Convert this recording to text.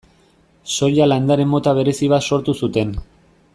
Soja landare mota berezi bat sortu zuten.